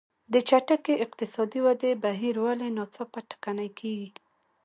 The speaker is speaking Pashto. د چټکې اقتصادي ودې بهیر ولې ناڅاپه ټکنی کېږي.